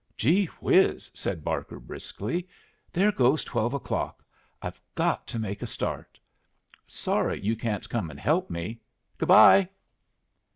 "Gee whiz!" said Barker, briskly, "there goes twelve o'clock. I've got to make a start. Sorry you can't come and help me. Good bye!"